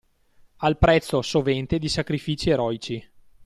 Al prezzo, sovente, di sacrifici eroici.